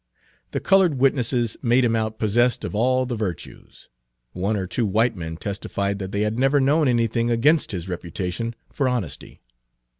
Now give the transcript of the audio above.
The colored witnesses made him out possessed of all the virtues. One or two white men testified that they had never known anything against his reputation for honesty.